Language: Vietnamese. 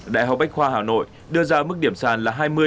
đại học bách khoa hà nội đưa ra mức điểm sàn là hai mươi